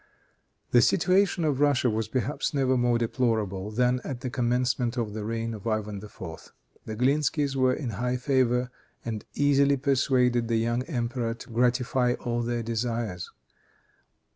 The situation of Russia was perhaps never more deplorable than at the commencement of the reign of Ivan IV. The Glinskys were in high favor, and easily persuaded the young emperor to gratify all their desires.